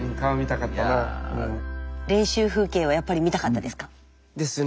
練習風景をやっぱり見たかったですか？ですね。